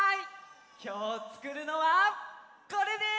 きょうつくるのはこれです！